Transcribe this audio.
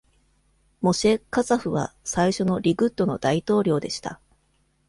モシェ・カツァフは最初のリクッドの大統領でした。